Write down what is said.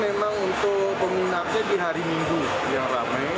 memang untuk peminatnya di hari minggu yang rame